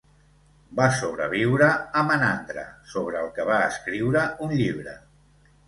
Va sobreviure a Menandre sobre el que va escriure un llibre.